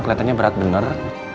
keliatannya berat bener